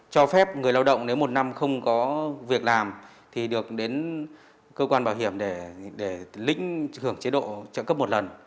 cho phép người lao động nếu một năm không có việc làm thì được đến cơ quan bảo hiểm để lĩnh hưởng chế độ trợ cấp một lần